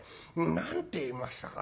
何て言いましたかね？